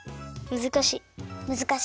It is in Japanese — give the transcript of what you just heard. むずかしいのか。